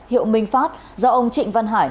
hiệu minh phát do ông trịnh văn hải